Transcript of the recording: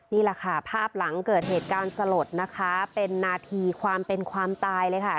นี่แหละค่ะภาพหลังเกิดเหตุการณ์สลดนะคะเป็นนาทีความเป็นความตายเลยค่ะ